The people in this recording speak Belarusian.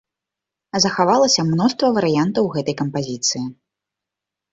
Захавалася мноства варыянтаў гэтай кампазіцыі.